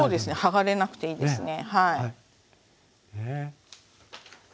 剥がれなくていいですね。